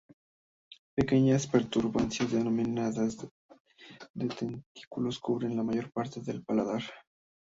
Pequeñas protuberancias denominadas dentículos cubren la mayor parte del paladar.